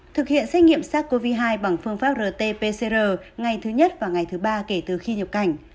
thực hiện xét nghiệm sars cov hai bằng phương pháp rt pcr ngày thứ nhất và ngày thứ ba kể từ khi nhập cảnh